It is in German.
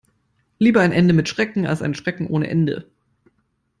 Lieber ein Ende mit Schrecken als ein Schrecken ohne Ende.